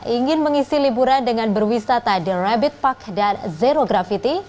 ingin mengisi liburan dengan berwisata di rabbit park dan zero gravity